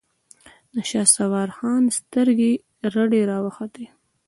د شهسوار خان سترګې رډې راوختې.